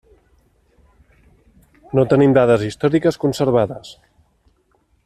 No tenim dades històriques conservades.